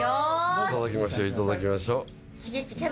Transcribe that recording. いただきましょういただきましょう。